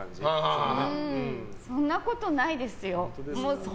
本当にそんなことないですよ。